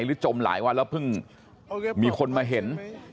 จมหลายวันแล้วเพิ่งมีคนมาเห็น